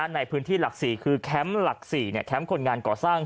ในพื้นที่หลัก๔คือแคมป์หลัก๔แคมป์คนงานก่อสร้าง